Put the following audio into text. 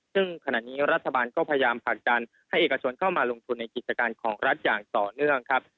ซึ่งขณะนี้รัฐบาลก็พยายามผลักดันให้เอกชนเข้ามาลงทุนในกิจการของรัฐอย่างต่อเนื่องครับ